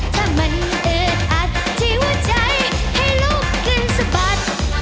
ถ้ามันอึดอัดที่หัวใจให้ลูกขึ้นสะบัด